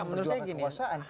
menurut saya gini